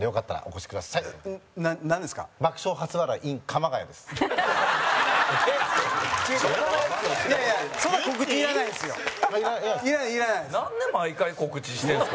後藤：なんで、毎回告知してるんですか？